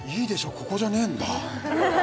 ここじゃねえんだ